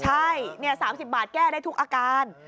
ใช่๓๐บาทแก้ได้ทุกอาการ